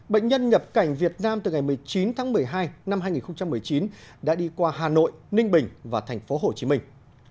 bệnh nhân nhập cảnh việt nam từ ngày một mươi chín tháng một mươi hai năm hai nghìn một mươi chín đã đi qua hà nội ninh bình và thành phố hồ chí minh